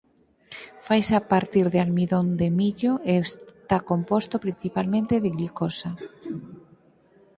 Faise a partir de amidón de millo e está composto principalmente de glicosa.